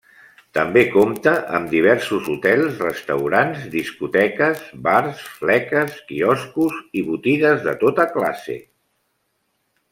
També compta amb diversos hotels, restaurants, discoteques, bars, fleques, quioscos i botigues de tota classe.